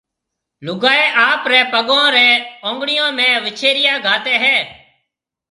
لوگائي آپريَ پگون ريَ اونگڙيون ۾ وِڇيريا گھاتيَ ھيَََ